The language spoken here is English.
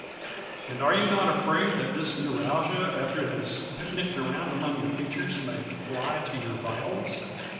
"And are you not afraid that this neuralgia after it has picnicked around among your features may fly to your vitals?"